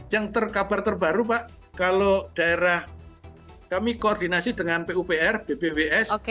yang terkabar terbaru pak kalau daerah kami koordinasi dengan pupr bpws